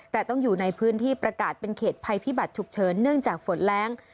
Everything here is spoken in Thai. แต่ต้องอยู่ในพื้นที่ประกาศเป็นเขตภัยพิบัตรฉุกเฉินเนื่องจากฝนแรง